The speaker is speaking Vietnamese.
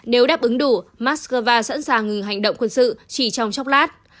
nếu đáp ứng đủ moscow sẵn sàng ngừng hành động quân sự chỉ trong chốc lát